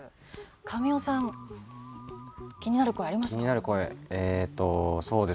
神尾さん気になる声ありますか？